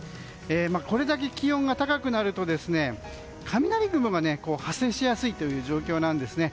これだけ気温が高くなると雷雲が発生しやすいという状況なんですね。